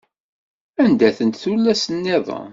Anda-tent tullas nniḍen?